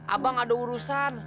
abang ada urusan